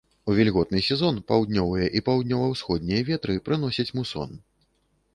У вільготны сезон паўднёвыя і паўднёва-ўсходнія ветры прыносяць мусон.